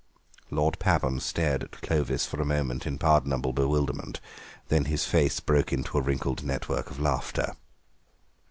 Lord Pabham stared at Clovis for a moment in pardonable bewilderment; then his face broke into a wrinkled network of laughter.